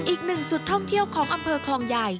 อีกหนึ่งจุดท่องเที่ยวของอำเภอคลองใหญ่